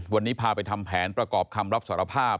วันนี้พาไปทำแผนประกอบคำรับสารภาพ